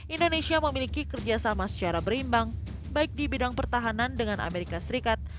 indonesia memiliki kerjasama secara berimbang baik di bidang pertahanan dengan amerika serikat